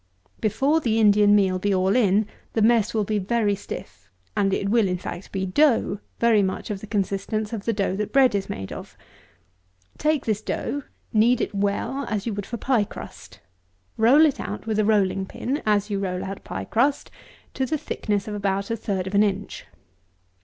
Before the Indian Meal be all in, the mess will be very stiff; and it will, in fact, be dough, very much of the consistence of the dough that bread is made of. Take this dough; knead it well, as you would for pie crust. Roll it out with a rolling pin, as you roll out pie crust, to the thickness of about a third of an inch.